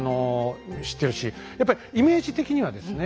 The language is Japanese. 知ってるしやっぱりイメージ的にはですね